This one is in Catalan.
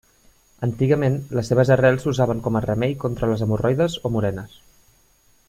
Antigament les seves arrels s'usaven com a remei contra les hemorroides o morenes.